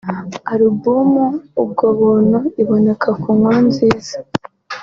Album’Ubwo buntu’ iboneka ku Nkurunziza